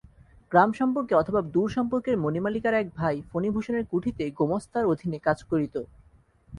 গ্রামসম্পর্কে অথবা দূরসম্পর্কের মণিমালিকার এক ভাই ফণিভূষণের কুঠিতে গোমস্তার অধীনে কাজ করিত।